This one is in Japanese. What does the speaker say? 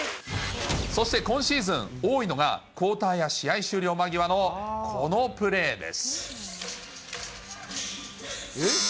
そして今シーズン多いのが、クオーターや終了間際のこのプレーです。